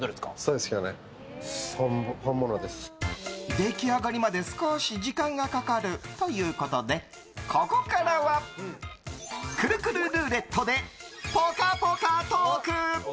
出来上がりまで少し時間がかかるということでここからはくるくるルーレットでぽかぽかトーク。